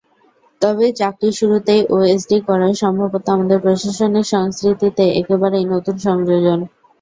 তবে চাকরির শুরুতেই ওএসডি করা সম্ভবত আমাদের প্রশাসনিক সংস্কৃতিতে একেবারেই নতুন সংযোজন।